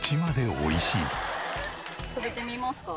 食べてみますか？